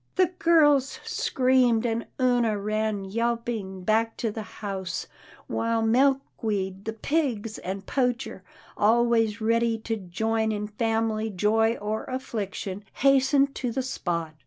The girls screamed, and Oonah ran yelping back to the house, while Milkweed, the pigs and Poacher, always ready to join in family joy or affliction, hastened to the spot.